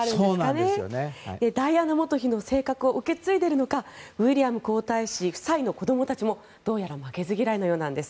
ダイアナ元妃の性格を受け継いでいるのかウィリアム皇太子夫妻の子供たちもどうやら負けず嫌いのようなんです。